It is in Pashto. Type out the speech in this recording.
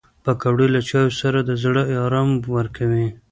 پکورې له چایو سره د زړه ارام ورکوي